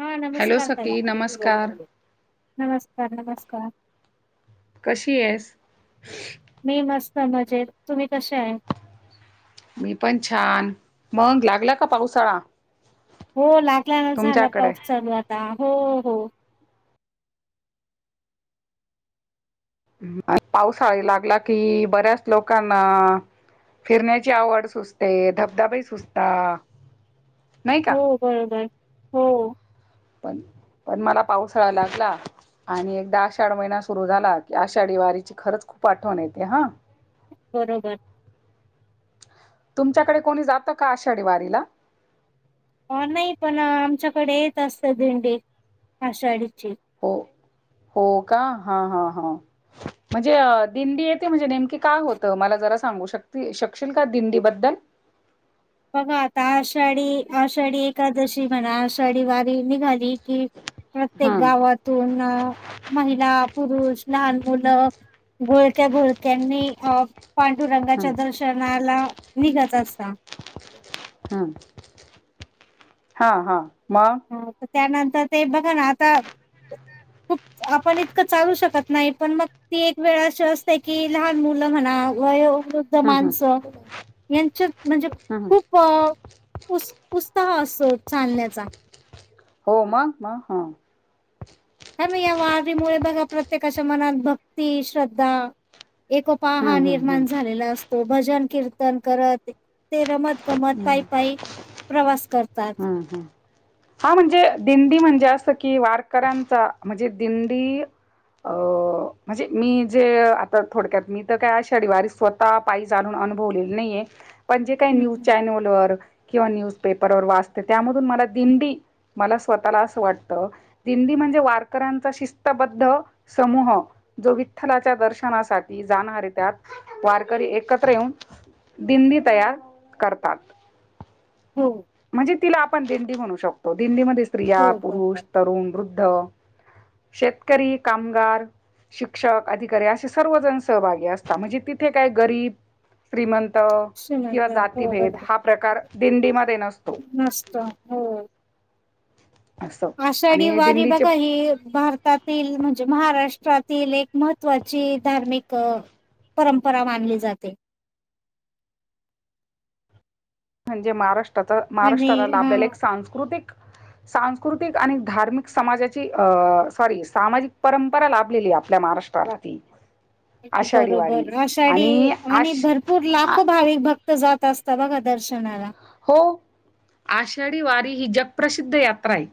हा हॅलो नमस्कार सखी नमस्कार त नमस्कार नमस्कार कशी येस मी मस्त म्हजेत तुम्ही कसे आहे मी पण छान मग लागला का पावसाळा हो लागल्याला झाला तुमच्याकडे? पाऊस चालू आता हो हो पावसाळी लागला कि बऱ्याच लोकांना फिरण्याची आवड सुचते धबधबाही सुचता नाही का हो बरोबर हो पण पण मला पावसाळा लागला आणि एकदा आषाढ महिना सुरू झाला की आषाढी वारीची खरंच खूप आठवण येते हा बरोबर तुमच्याकडे कोणी जातं का आषाढी वारीला हो नाही पण आमच्याकडे येत असत भेंडी आषाढची हो हो का हा हा हा म्हणजे दिंडी येते म्हणजे नेमकीे काय होतं मला जरा सांगू शक शकशील का दिंडीबद्दल बघा आता आषाढी आषाढी एकादशी म्हणा आषाढी वारी निघाली की प्रत्येक हा गावातून महिला पुरुष लहान मुल घळक्या घोळक्यांनी अ हा पांडुरंगाच्या दर्शनाला निघत असत हम्म हा हा मग ह त्यानंतर ते बघा ना आता ह. खूप आपण इतकं चालू शकत नाही पण मग ती एक वेळ अशी असते की लहान मुलं म्हणा व ृद्ध हा हा माणसं यांच्या म्हणजे हा हा खूप पुस् पुस्तह असो चालण्याचा हो मग मग हा. ह मग या वारीमुळे बघा प्रत्येकाच्या मनात भक्ती श्रद्धा एकोपा हम्म ह हम्म हम्म निर्माण झालेला असतो भजन कीर्तन करत. ते रमत गमत पायी पायी प्रवास करतात. हम्म हम्म हा म्हणजे दिंडी म्हणजे असं कि वारकऱ्यांचा म्हणजे दिंडी अ म्हणजे मी जे आता थोडक्यात मी तर काय शनिवारी स्वतः पायी जालून अनुभवलेली नाहीे पण जे काही हम्म न्यू हम्म. किंवा न्यूज पेपर व वाचते त्यामधून मला दिंडी मला स्वतःला असं वाटतं दिंडी म्हणजे वारकऱ्यांचा शिस्तबद्ध समूह जो विठ्ठलाच्या दर्शनासाठी जाणारे त्यात वारकरी एकत्र येऊन दिंडी तयार तात हो. म्हणजे तिला आपण दिंडी म्हणू शकतो दिंडीमध्ये हो स्त्रिया बरोबर पुरुष तरुण वृद्ध शेतकरी कामगार शिक्षक अधिकारी असे सर्वजण सहभागी असतात म्हणजे तिथे काय गरीब श्रीमंत किंवा श्रीमंत हो जातीभेद हा प्रकार दिंडीमध्ये नसतो. नस्त हो. असं आषाढी आणि वारी दिंडीचे बघा ही भारतात. म्हणजे महाराष्ट्रातील एक महत्वाची धार्मिक परंपरा मानली जाते. म्हणजे महाराष्ट्रा आणि महाराष्ट्राला हा लाभलेला एक सांस्कृतिक सांस्कृतिक आणि धार्मिक समाजाची अ सॉरी सामाजिक परंपरा लाभलेली आपल्या महाराष्ट्र प त बरोबर आषाढ आणि आश भरपूर आ लाखो भाविक भक्त तर जात असता बघा दर्शनाला हो आषाढी वारी ही जगप्रसिद्ध यात्रा आहे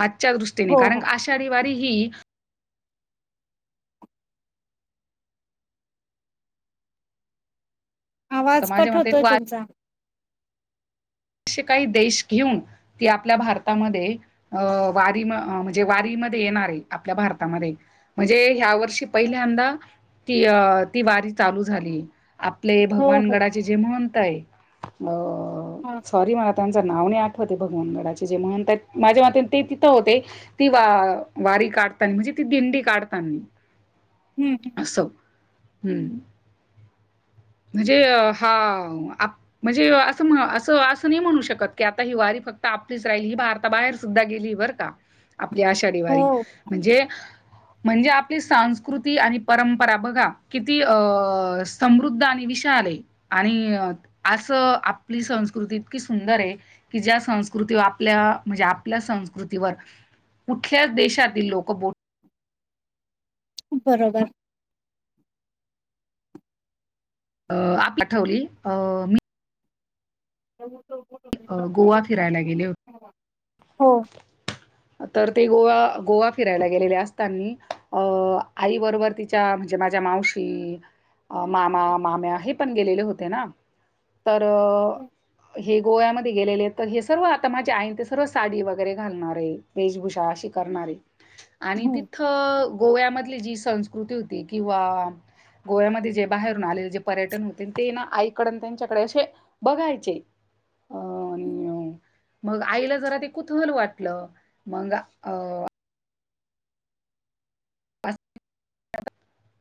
आजच्या दृष्टीने हो कारण हो. आषाढी वारी ही तर आवाज माझ्या कट मते होतोय वारीचे तुमचा असे काही देश घेऊन ती आपल्या भारतामध्ये अ वारी म्हणजे वारीमध्ये येणार आहे आपल्या भारतामध्ये. म्हणजे ह्या वर्षी पहिल्यांदा ती अ ती वारी चालू झाली. आपले हो हो भगवानगडाचे जे महंत आहे अ हा सॉरी मला त्यांच नाव नाही आठवतेय भगवानगडाचे जे महंत माझ्या मते ते तिथं होते. ती वा वारी काढताना म्हणजे ती दिंडी काढतानी. हम्म. असो हम्म. म्हणजे हा आप म्हणजे असं असं असं नाही म्हणू शकत की आता ही वारी फक्त आपलीच राहिली ही भारताबाहेर सुद्धा गेली वर का आपली आषाढी हो वारी म्हणजे म्हणजे आपली सांस्कृती आणि परंपरा बघा किती अ समृद्ध आणि विशाल आहे आणि असं आपली संस्कृती इतकी सुंदरय. कि ज्या संस्कृती आपल्या म्हणजे आपल्या संस्कृतीवर कुठल्याच देशातील लोक बो बरोबर अ आपला ठेवली मी त स गोवा फिरायला गेले होते हो तर ते गोवा गोवा फिरायला गेलेले असतानी अ आई बरोबर त म्हणजे माझ्या मावशी, मामा मामे आहेत पण गेलेले होते न गोव्यामध्ये गेलेले तर हे सर्व आता माझे आहे ते सर्व साडी वगैरे घालणारे, वेशभूषा अशी करणारे. आणि तिथं गोव्यामधली जी संस्कृती होती किंवा गोव्यामध्ये जे बाहेरून आलेले जे पर्यटन होते ते ना आईकड न त्यांच्याकडे असे बघायचे. अ आणि मग आईला जरा ते कुतहल वाटलं मग अ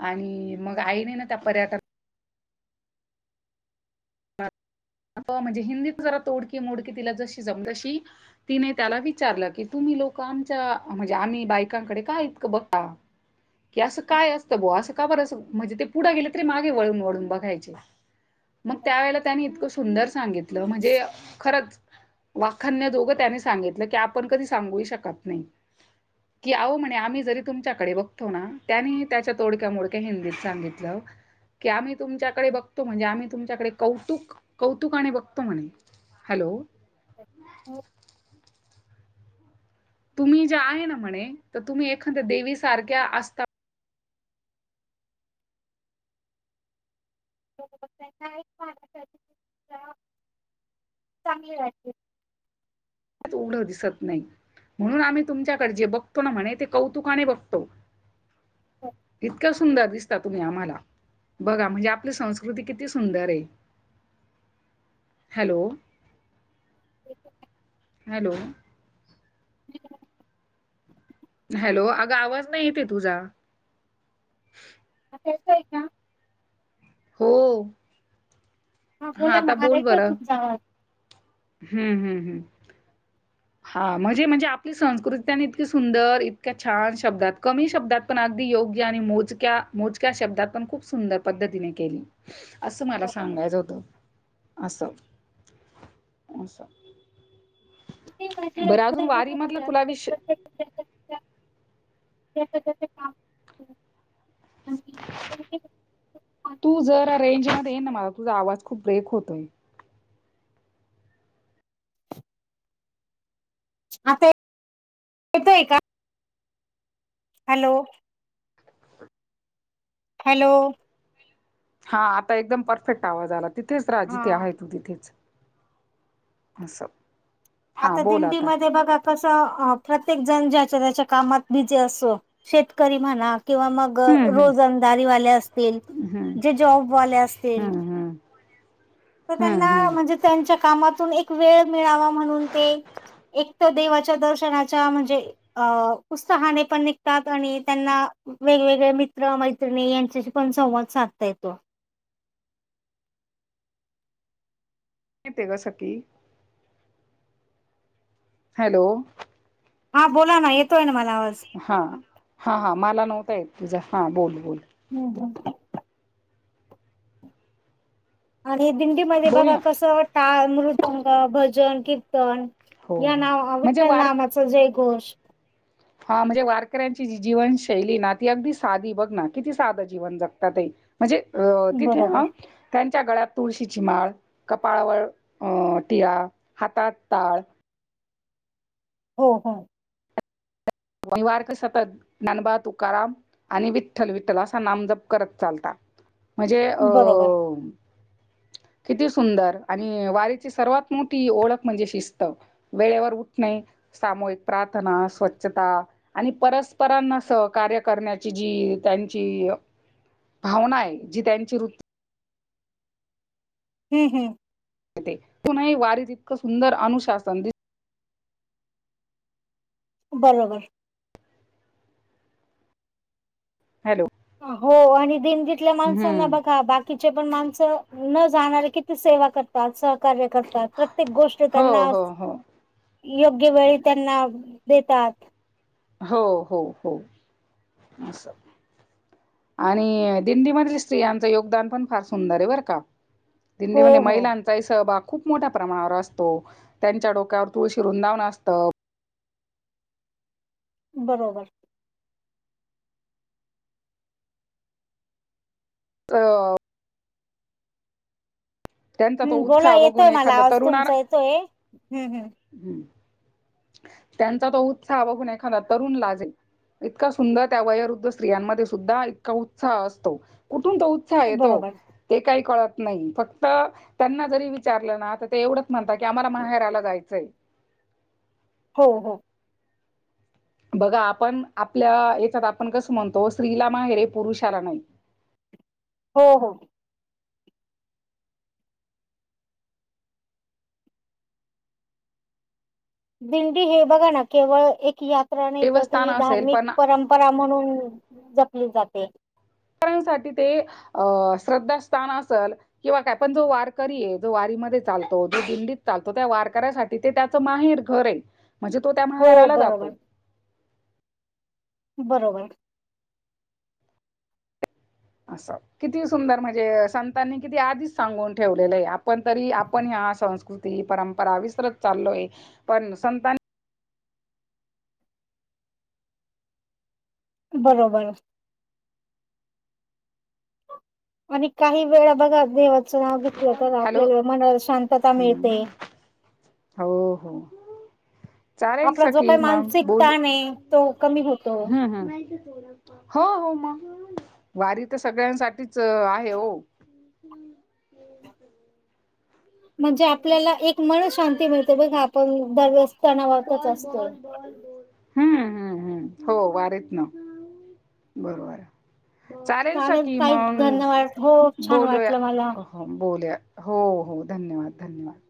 आणि मग आईने ना त्या पर्याटना म्हणजे हिंदी जरा तोडकी मोडकी तिला जशी जम तशी तिने त्याला विचारलं की तुम्ही लोक आमच्या म्हणजे आम्ही बायकांकडे काय इतकं बघता. की असं काय असतं बऊ असं काबर असं म्हणजे ते पुढे गेलं तरी मागे वळून वळून बघायचे. त्यावेेळेला त्यानी इतकं सुंदर सांगितलं म्हणजे खरंच वाखान्य दोघं त्याने सांगितलं की आपण कधी सांगू ही शकत नाही. की आहो म्हणे आम्ही जरी तुमच्याकडे बघतो ना त्याने त्याच्या तोडक्या मोडक्या हिंदीत सांगितलं. की आम्ही तुमच्याकडे बघतो म्हणजे आम्ही तुमच्याकडे कौतुक कौतुकाने आणि बघतो म्हणे. हॅलो! हो. तुम्ही जे आहे ना म्हणे तर तुम्ही एखाद्या देवी सारख्या असता चांगली वाटते. एवढं दिसत नाही. म्हणून आम्ही तुमच्याकडे जे बघतो ना म्हणे ते कौतुकाने बघतो इतकं सुंदर दिसता तुम्ही आम्हाला बघा म्हणजे आपली संस्कृती किती सुंदर आहे. हॅलो! [inaudible] हॅलो! हॅलो! अगं आवाज नाही येतेय तुझा? आता येतोय का? हो. हा बोला ना आता मला बोल येतय बरं. तुमचा आवाज. हम्म हम्म हम्म. हा म्हणजे म्हणजे आपली संस्कृती त्यांनी आणि इतकी सुंदर इतक्या छान शब्दात, कमी शब्दात पण अगदी योग्य आणि मोजक्या -मोजक्या शब्दात पण खूप सुंदर पद्धतीने केली. असं मला बरोबर सांगायचं होतं असं - ते म्हणजे बरं अजून वारी मधलं तुला विष - त्या तू जर रेंज मध्ये ये ना मला तुझा आवाज खूप ब्रेक होतोय. आताय ये येतोय का! हॅलो हॅलो हा आता एकदम परफेक्ट आवाज आला तिथेच राहा हा जिथे आहे तू तिथेच - अससं - आता दिंडीमध्येध्ये बघा- कस प्रत्येक जण ज्याच्या त्याच्या कामात बिझी असतो शेतकरी म्हणा किंवा मग - हं, हं. रोजंदारी वाले असतील हं, जे जॉबवाले हं, असतील. हं. तर हं, हं. त्यांना म्हणजे त्यांच्या कामातून एक वेळ मिळावा म्हणून ते - एक तर देवाच्या दर्शनाच्या म्हणजे - अ उत्सहाने पण निघतात आणि त्यांना वेगवेगळे मित्र मैत्रिणी यांच्याशी पण संवाद साधता येतो. तिथे कस की हॅलो! हा बोला ना येतोय ना मला आवाज. हा हा हा मला नव्हता येत तुझा हा बोल -बोल! हम् आणि दिंडीमध्येध्ये बोल बघा ना कसं टाळ मृदंग भजन कीर्तन हो - या हो नाव म्हणजे विठ्ठल वारक नामाच जयघोष - हा म्हणजे वारकऱ्यांची जी जीवनशैली ना ती अगदी साधी बघ ना किती साधं जीवन जगतात. म्हणजे अ तिथे बरोबर ह - त्यांच्या गळ्यात तुळशीची माळ कपाळावर अ टिळा हातात ताळ - हो हो ववारक सतत ज्ञानबा तुकाराम आणि विठ्ठल- विठ्ठल असा नामजप करत चालता म्हणजे अ बरोबर - किती सुंदर आणि वारीची सर्वात मोठी ओळख म्हणजे शिस्त - वेळेवर उठणे सामूहिक प्रार्थना स्वच्छता - आणि परस्परांना सहकार्य करण्याची जी त्यांची - भावना आहे जी त्यांची वृत्ती - हम् -हम् कोणही वारी त इतकं सुंदर अनुशासन - बरोबर हॅलो हो आणि दिंडीतल्या माणसांना हम्म बघा बाकी - किती पण माणस न जाणारे किती सेवा करतात सहकार्य - कस हाय प्रत्येक गोष्टी हो त्यांना हो हो - योग्य वेळी त्यांना देतात. हो हो हो असं - आणि दिंडी मधील स्त्रियांच योगदान पण फार सुंदर आहे बर का हो दिंडीमध्ये हो महिलां - सहभाग खूप मोठ्या प्रमाणावर असतो त्यांच्या डोक्यावर तुळशी वुंदावन असतं - बरोबर अ त्यांचा तो हम्म बोला उत्साह बघून येतोय मला एखादा आवाज तरुणा तुमचा येतोय हम्म हम्म - त्यांचा तो उत्साह बघून एखादा तरुण लाजेल - इतका सुंदर त्या वयरुद्ध स्त्रियांमध्ये सुद्धा इतका उत्साह असतो कुठून तो - येतो बरोबर ते काही कळत नाही फक्त त्यांना जरी विचारलं ना ते एवढंच म्हणता की आम्हाला माहेराला जायचंय. हो हो बघा आपण आपल्या याच्यात आपण कसं म्हणतो स्त्रीला माहेरे पुरुषाला नाही. हो हो दिंडी हे बघा ना केवळ एक यात्रा नाही तर देवस्थान ती असेल धार्मिक पण परंप परा म्हणून जपली जाते. ांसाठी ते अ श्रद्धास्थान असल कि बा काय आपण जो वारकरी आहे जो वारीमध्ये चालतो जो दिल्लीत चालतो त्या वारकऱ्यासाठी तिथे त्याच माहेर घर आहे म्हणजे तो त्या हो माहेराला बरोबर जातो बरोबर असात किती सुंदर म्हणजे संतांनी किती आधीच सांगून ठेवलेलं आहे आपण तरी आपण ह्या संस्कृ परंपरा विसरत चालो आहे पण संतानी बरोबर आणि काही वेळा बघा देवाचं नाव घेतलं तर हॅलो आपल्याला मनाला शांतता मिळते. हो -हो चालेल आपला जो सगळी काही मग मानसिक बोल ताण आहे तो कमी होतो. हम् हम्म - हो -हो मग वारी तर सगळ्यांसाठीच आहे हो - म्हणजे आपल्याला एक मन शांती मिळते बगा आपण - बोल बोल बोल बोल - हम्म हम्म हम्म हो वारीत ना बरोबर- चालेल स की ताई धन्यवाद हो मग छान बोलूया वाटलं मला. हो बोलोल हो हो धन्यवाद धन्यवाद